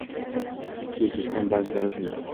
O'zbekiston banklari uchun